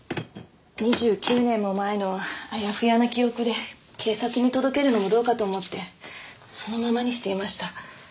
２９年も前のあやふやな記憶で警察に届けるのもどうかと思ってそのままにしていました。